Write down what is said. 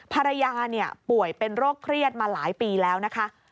ภรรยาป่วยเป็นโรคเครียดมาหลายปีแล้วนะคะ